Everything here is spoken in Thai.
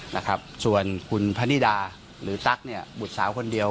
นะครับส่วนคุณพนิดาหรือตั๊กเนี่ยบุตรสาวคนเดียว